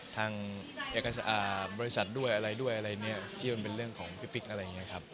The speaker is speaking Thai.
แต่ว่าก็ยังดูแลกันอยู่เหมือนเดิมเลยครับ